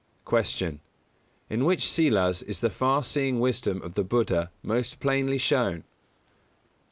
155. Q. In which Sīlas is the far seeing wisdom of the Buddha most plainly shown?